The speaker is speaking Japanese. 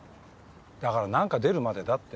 だから何か出るまでだって。